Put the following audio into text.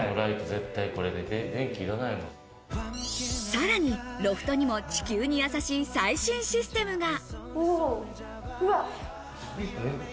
さらにロフトにも地球にやさしい最新システムが。